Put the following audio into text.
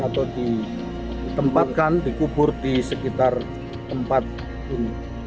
atau ditempatkan dikubur di sekitar tempat ini